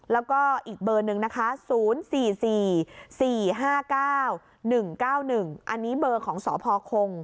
แล้วก็อีกเบอร์หนึ่งนะคะ๐๔๔๔๔๕๙๑๙๑อันนี้เบอร์ของสพคง